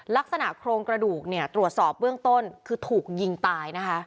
ลักษณะโครงกระดูกตรวจสอบเบื้องต้นคือถูกยิงตาย